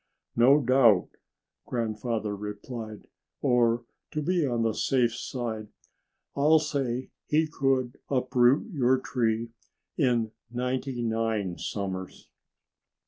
"No doubt!" Grandfather replied. "Or, to be on the safe side, I'll say he could uproot your tree in ninety nine summers."